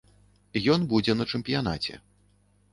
Ён будзе на чэмпіянаце.